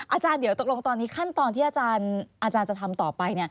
อาจารย์เดี๋ยวตกลงตอนนี้ขั้นตอนที่อาจารย์จะทำต่อไป